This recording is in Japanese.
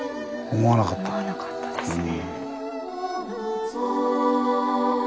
思わなかったですね。